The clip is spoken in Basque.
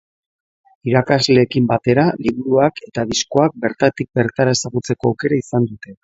Irakasleekin batera, liburuak eta diskoak bertatik bertara ezagutzeko aukera izan dute.